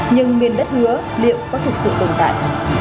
nhưng miền đất hứa liệu có thực sự tồn tại